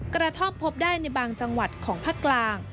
กระท่อมพบได้ในบางจังหวัดของภาคกลาง